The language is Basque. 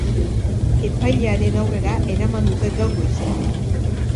Epailearen aurrera eraman dute gaur goizean.